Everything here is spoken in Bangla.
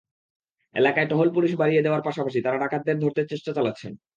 এলাকায় টহল পুলিশ বাড়িয়ে দেওয়ার পাশাপাশি তাঁরা ডাকাতদের ধরতে চেষ্টা চালাচ্ছেন।